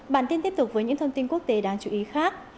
bản tin tiếp tục với những thông tin quốc tế đáng chú ý khác